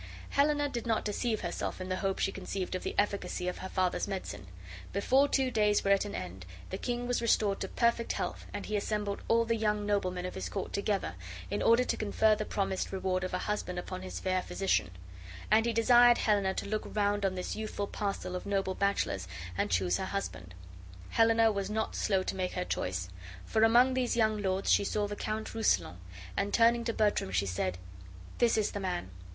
Helena did not deceive herself in the hope she conceived of the efficacy of her father's medicine. Before two days were at an end the king was restored to perfect health, and he assembled all the young noblemen of his court together, in order to confer the promised reward of a husband upon his fair physician; and he desired Helena to look round on this youthful parcel of noble bachelors and choose her husband. Helena was not slow to make her choice, for among these young lords she saw the Count Rousillon, and, turning to Bertram, she said: "This is the man.